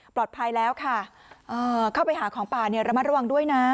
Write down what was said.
ปลอดภัยแล้วค่ะเข้าไปหาของป่าเนี่ยระมัดระวังด้วยนะ